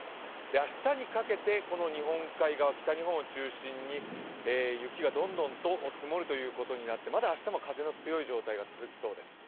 明日にかけてこの日本海側、北日本を中心に雪がどんどんと積もるということになって、まだ明日も風が強い状態が続きます。